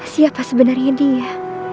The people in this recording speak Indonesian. siapa sebenarnya dia